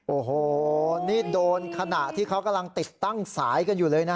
โอ้โหนี่โดนขณะที่เขากำลังติดตั้งสายกันอยู่เลยนะ